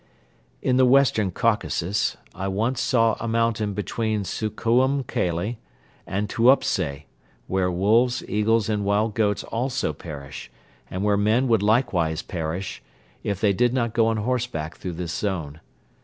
In the Western Caucasus I once saw a mountain between Soukhoum Kale and Tuopsei where wolves, eagles and wild goats also perish, and where men would likewise perish if they did not go on horseback through this zone.